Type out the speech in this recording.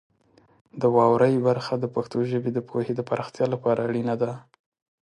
د واورئ برخه د پښتو ژبې د پوهې د پراختیا لپاره اړینه ده.